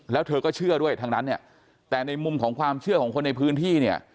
แล้วเธอก็เชื่อด้วยทั้งนั้นเนี่ยแต่ในมุมของความเชื่อของคนในพื้นที่เนี่ย